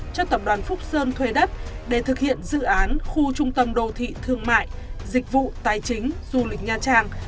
cho tập đoàn phúc sơn thuê đất để thực hiện dự án khu trung tâm đô thị thương mại dịch vụ tài chính du lịch nha trang